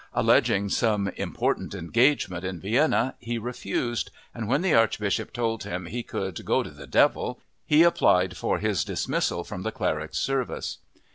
Alleging some "important engagement" in Vienna, he refused and, when the archbishop told him he could "go to the devil," he applied for his dismissal from the cleric's service.